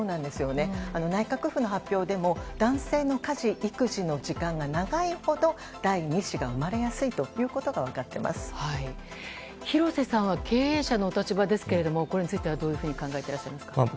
内閣府の発表でも男性の家事育児の時間が長いほど第２子が生まれやすいことが廣瀬さんは経営者のお立場ですけどこれについてはどう考えていらっしゃいますか？